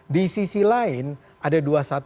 di sisi lain ada dua ratus dua belas